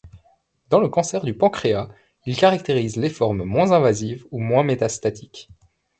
Dans le cancer du pancréas, il caractérise les formes moins invasives ou moins métastatiques.